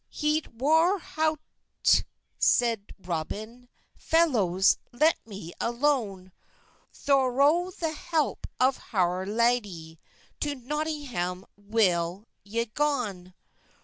"Heyt war howte," seyde Roben, "Felowhes, let me alone; Thorow the helpe of howr ladey, To Notynggam well y gon."